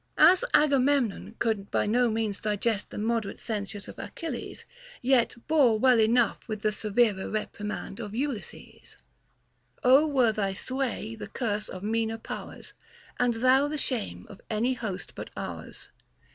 As Agamemnon could by no means digest the moderate censures of Achilles, yet bore well enough with the severer reprimand of Ulysses, 140 HOW TO KNOW A FLATTERER Ο were thy sway the curse of meaner powers, And thou the shame of any host but ours